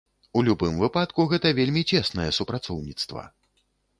У любым выпадку, гэта вельмі цеснае супрацоўніцтва.